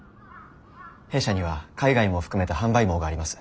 弊社には海外も含めた販売網があります。